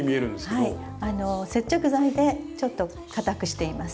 あの接着剤でちょっと硬くしています。